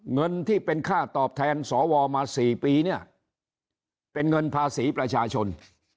เงินที่เป็นค่าตอบแทนสวมา๔ปีเนี่ยเป็นเงินภาษีประชาชน